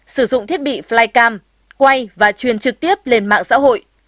sử dụng thiết bị flycam quay và truyền trực tiếp lên mạng xã hội